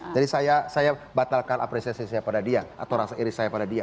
jadi saya batalkan apresiasi saya pada dia atau rasa iri saya pada dia